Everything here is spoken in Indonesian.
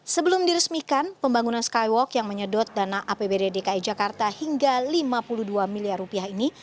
sebelum diresmikan pembangunan skywalk yang menyedot dana apbd dki jakarta hingga lima puluh dua miliar rupiah ini